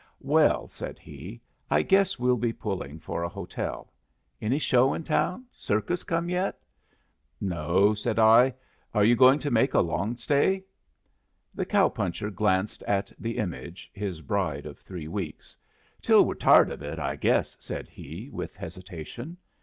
"Well," said he, "I guess we'll be pulling for a hotel. Any show in town? Circus come yet?" "No," said I. "Are you going to make a long stay?" The cow puncher glanced at the image, his bride of three weeks. "Till we're tired of it, I guess," said he, with hesitation.